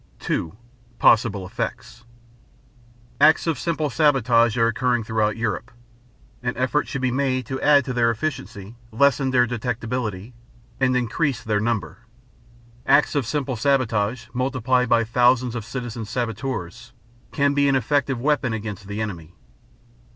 2. POSSIBLE EFFECTS Acts of simple sabotage are occurring throughout Europe. An effort should be made to add to their efficiency, lessen their detectability, and increase their number. Acts of simple sabotage, multiplied by thousands of citizen saboteurs, can be an effective weapon against the enemy.